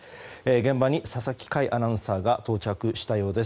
現場に佐々木快アナウンサーが到着したようです。